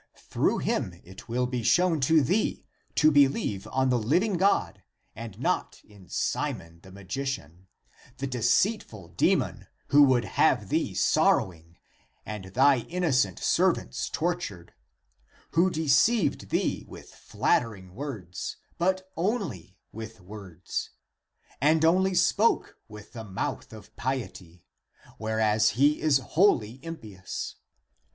Through him it will be shown to thee to believe on the living God and not in Simon the magician, the deceitful demon who would have thee sorrowing and thy innocent servants tor tured, who deceived thee with flattering words, but only with words, and only spoke with the mouth of piety, whereas he is wholly impious.